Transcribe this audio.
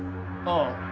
ああ。